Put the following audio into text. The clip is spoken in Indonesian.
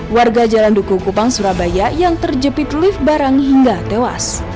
warga jalan duku kupang surabaya yang terjepit lift barang hingga tewas